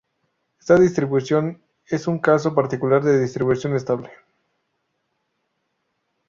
Esta distribución es un caso particular de distribución estable.